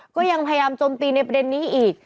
ก็ยังพยายามโจมตีในประเด็นนี้อีก